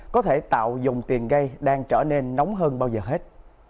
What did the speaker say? có thể tạo dòng tiền gây đang trở nên nóng hơn bao giờ hết